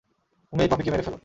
তুমি এই পাপীকে মেরে ফেল!